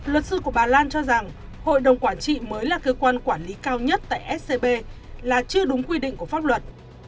luật sư của bà lan cho rằng hội đồng quản trị mới là cơ quan quản lý cao nhất tại scb là chưa đúng quy định của pháp luật